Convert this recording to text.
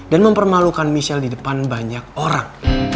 dan mempermalukan michelle di depan banyak orang